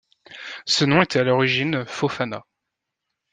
Ce nom était à l'origine Fofana.